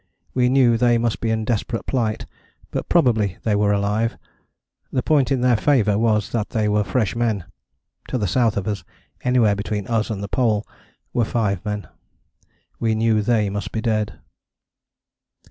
We knew they must be in desperate plight, but probably they were alive: the point in their favour was that they were fresh men. To the south of us, anywhere between us and the Pole, were five men. We knew they must be dead.